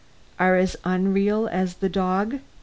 "Are as unreal as the dog?